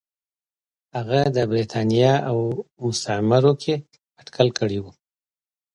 هغه د برېټانیا او مستعمرو کې اټکل کړی و.